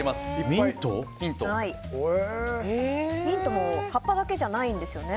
ミントも葉っぱだけじゃないんですよね。